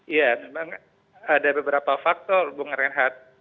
ya memang ada beberapa faktor hubungan dengan hat